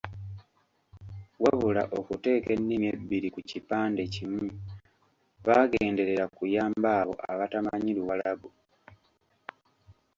Wabula okuteeka ennimi ebbiri ku kipande kimu baagenderera kuyamba abo abatamanyi Luwarabu.